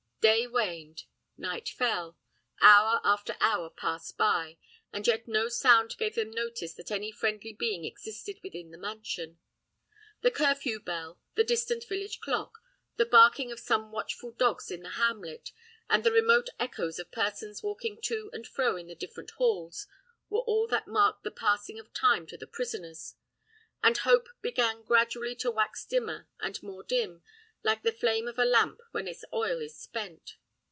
Day waned, night fell, hour after hour passed by, and yet no sound gave them notice that any friendly being existed within the mansion. The curfew bell, the distant village clock, the barking of some watchful dogs in the hamlet, and the remote echoes of persons walking to and fro in the different halls, were all that marked the passing of time to the prisoners; and hope began gradually to wax dimmer and more dim, like the flame of a lamp when its oil is spent.